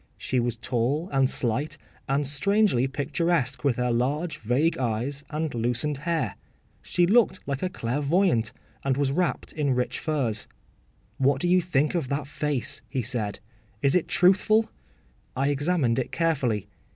She was tall and slight, and strangely picturesque with her large vague eyes and loosened hair. She looked like a clairvoyante, and was wrapped in rich furs. ‘What do you think of that face?’ he said; ‘is it truthful?’ I examined it carefully.